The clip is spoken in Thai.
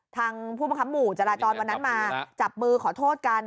ผู้บังคับหมู่จราจรวันนั้นมาจับมือขอโทษกัน